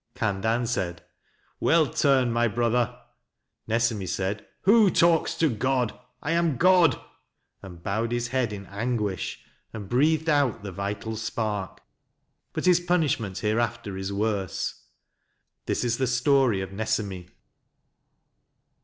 Khandan said: "Well turned, my brother!" Nesemi said: "Who talks to God? I am God:" and bowed his head in anguish, and breathed out the vital E So MANSUR spark. But his punishment hereafter is worse. This is the story of Nesemi.